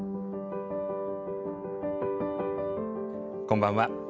こんばんは。